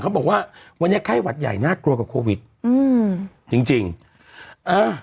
เขาบอกว่าวันนี้ไข้หวัดใหญ่น่ากลัวกว่าโควิดอืมจริงจริงอ่า